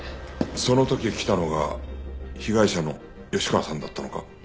その時来たのが被害者の吉川さんだったのか？